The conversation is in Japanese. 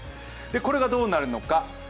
これがどうなるのか。